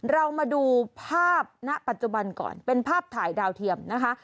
เรามาดูภาพณปัจจุบันก่อนเป็นภาพถ่ายดาวเทียมนะคะ